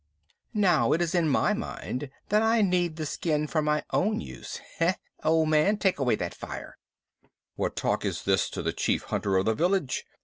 Now it is in my mind that I need the skin for my own use. Heh! Old man, take away that fire!" "What talk is this to the chief hunter of the village?